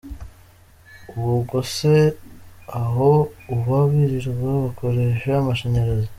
Ubwo se aho uba birirwa bakoresha amashanyarazi?.